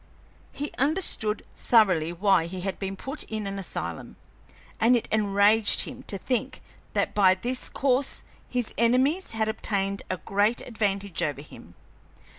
He understood thoroughly why he had been put in an asylum, and it enraged him to think that by this course his enemies had obtained a great advantage over him.